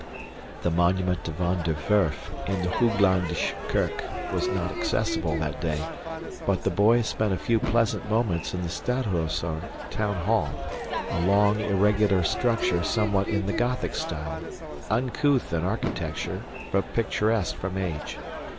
The monument to Van der Werf in the Hooglandsche Kerk was not accessible that day, but the boys spent a few pleasant moments in the Stadhuis or town hall, a long irregular structure somewhat in the Gothic style, uncouth in architecture but picturesque from age.